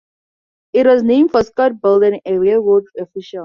It was named for Scott Belden, a railroad official.